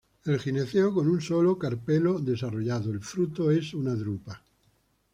Gineceo con un solo carpelo desarrollado; fruto es una drupa.